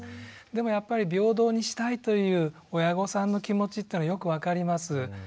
でもやっぱり平等にしたいという親御さんの気持ちっていうのはよく分かります。